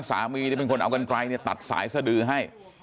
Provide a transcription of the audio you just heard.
สามีที่เป็นคนเอากันไกลตัดสายซะดือให้